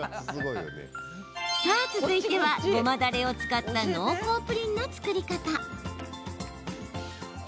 続いては、ごまだれを使った濃厚プリンの作り方。